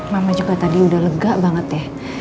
mama juga tadi udah lega banget ya